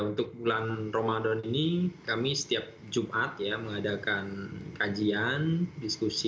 untuk bulan ramadan ini kami setiap jumat ya mengadakan kajian diskusi